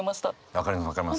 分かります分かります。